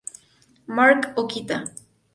Mark Okita